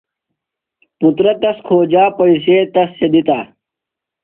پُترہ تس کھوجا پیئسے تس تھےۡ دِتہ۔